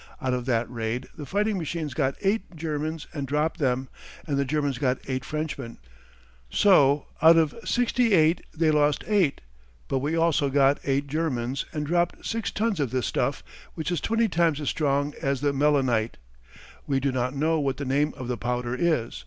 Out of that raid the fighting machines got eight Germans and dropped them, and the Germans got eight Frenchmen. So, out of sixty eight they lost eight, but we also got eight Germans and dropped six tons of this stuff, which is twenty times as strong as the melinite. We do not know what the name of the powder is.